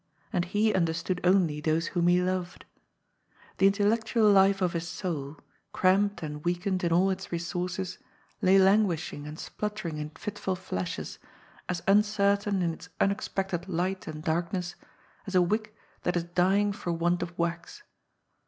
And he un derstood only those whom he loved. The intellectual life of his soul, cramped and weakened in all its resources, lay languishing and spluttering in fitful flashes, as uncertain in its unexpected light and darkness as a wick that is dying for want of wax.